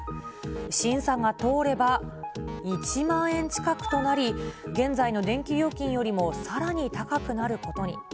審査が通れば、１万円近くとなり、現在の電気料金よりもさらに高くなることに。